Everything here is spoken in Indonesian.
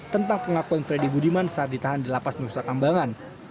tentang pengakuan freddy budiman saat ditahan di lapas nusa kambangan